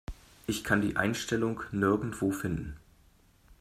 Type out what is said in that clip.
Ich kann die Einstellung nirgendwo finden.